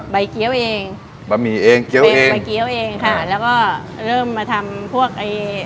เกี้ยวเองบะหมี่เองเกี้ยวเองใบเกี้ยวเองค่ะแล้วก็เริ่มมาทำพวกไอ้